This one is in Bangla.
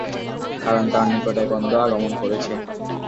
কারণ তাঁর নিকট এক অন্ধ আগমন করেছে।